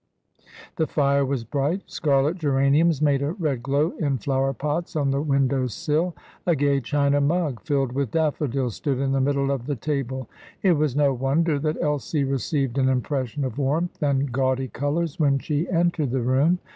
The fire was bright; scarlet geraniums made a red glow in flower pots on the window sill; a gay china mug, filled with daffodils, stood in the middle of the table; it was no wonder that Elsie received an impression of warmth and gaudy colours when she entered the room.